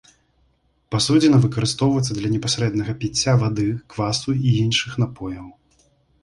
Пасудзіна выкарыстоўваецца для непасрэднага піцця вады, квасу і іншых напояў.